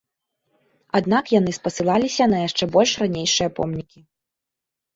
Аднак яны спасылаліся на яшчэ больш ранейшыя помнікі.